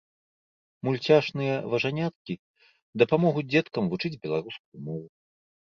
Мульцяшныя важаняткі дапамогуць дзеткам вучыць беларускую мову.